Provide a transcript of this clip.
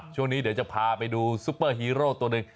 ช่วงนี้เดี๋ยวจะพาไปดูซุปเปอร์ฮีโร่ตัวหนึ่ง